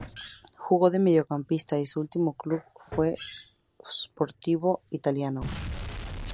Jugó de mediocampista y su último club fue Sportivo Italiano.